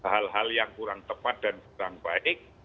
hal hal yang kurang tepat dan kurang baik